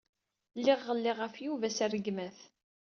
Lliɣ ɣelliɣ ɣef Yuba s rregmat.